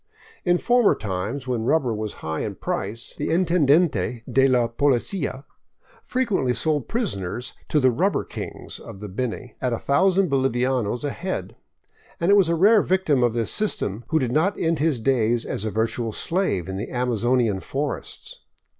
In former times, when rubber was high in price, the Intendente de la Policia frequently sold prisoners to the " rubber kings " of the Beni at ICXDO bolivianos a head, and it was a rare victim of this system who did not end his days as a virtual slave in the Amazonian forests.